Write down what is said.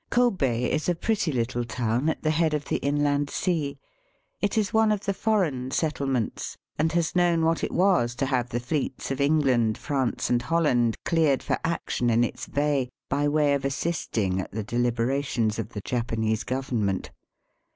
Kobe is a pretty little town at the head of the Inland Sea. It is one of the foreign Digitized by VjOOQIC 108 EAST BY WEST. settlements, and has known what it was to have the fleets of England, France, and Holland cleared for action in its bay, by way of assisting at the deUberations of the Japanese Government.